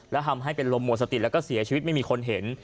แล้วทำให้เป็นลมหมดสติแล้วก็เสียชีวิตไม่มีคนเห็น